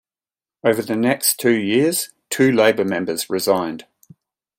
Over the next two years, two Labour members resigned.